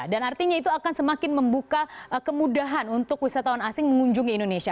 artinya itu akan semakin membuka kemudahan untuk wisatawan asing mengunjungi indonesia